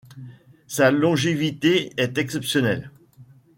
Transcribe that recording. Sa longévité est exceptionnelle.